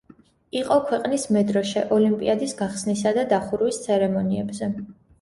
იყო ქვეყნის მედროშე ოლიმპიადის გახსნისა და დახურვის ცერემონიებზე.